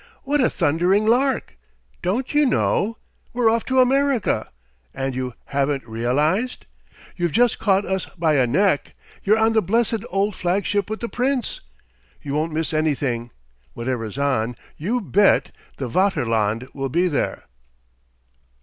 What a thundering lark! Don't you know? We're off to America, and you haven't realised. You've just caught us by a neck. You're on the blessed old flagship with the Prince. You won't miss anything. Whatever's on, you bet the Vaterland will be there."